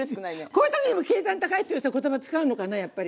こういう時にも計算高いって言葉使うのかなやっぱり。